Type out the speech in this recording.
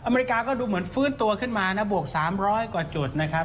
อเมริกาก็ดูเหมือนฟื้นตัวขึ้นมานะบวก๓๐๐กว่าจุดนะครับ